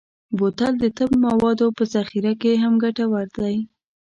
بوتل د طب موادو په ذخیره کې هم ګټور دی.